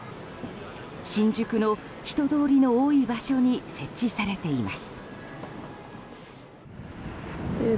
新宿の人通りの多い場所に設置されています。